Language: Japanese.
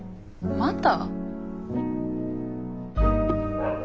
また？